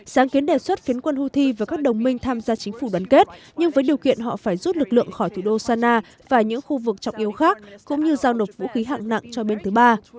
sáng kiến đề xuất phiến quân houthi và các đồng minh tham gia chính phủ đoàn kết nhưng với điều kiện họ phải rút lực lượng khỏi thủ đô sana và những khu vực trọng yếu khác cũng như giao nộp vũ khí hạng nặng cho bên thứ ba